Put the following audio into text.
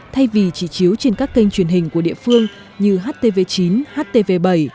thay vì chỉ chiếu trên các kênh truyền hình của địa phương như htv chín htv bảy